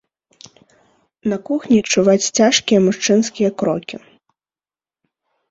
На кухні чуваць цяжкія мужчынскія крокі.